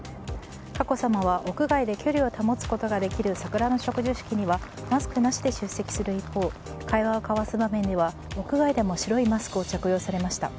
佳子さまは、屋外で距離を保つことができる桜の植樹式にはマスクなしで出席する一方会話を交わす場面では屋外でも白いマスクを着用されました。